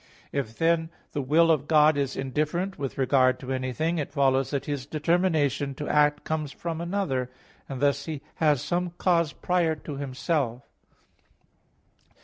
If, then, the Will of God is indifferent with regard to anything, it follows that His determination to act comes from another; and thus He has some cause prior to Himself.